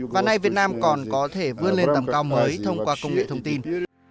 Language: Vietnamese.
và nay việt nam còn có thể vươn lên tầm cao mới thông qua công nghệ thông tin